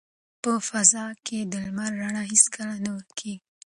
په فضا کې د لمر رڼا هیڅکله نه ورکیږي.